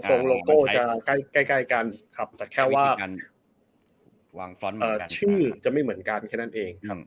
ส่งโลโก้จะใกล้กันแต่แค่ว่าชื่อจะไม่เหมือนกันแค่นั้นเอง